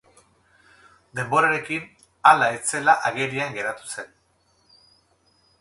Denborarekin, hala ez zela agerian geratu zen.